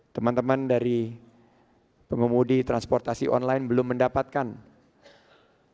teman teman dari pengemudi transportasi online belum mendapatkan teman teman dari pengemudi transportasi online belum mendapatkan